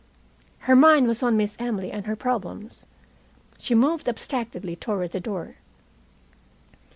Her mind was on Miss Emily and her problems. She moved abstractedly toward the door.